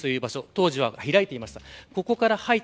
当時は開いていました。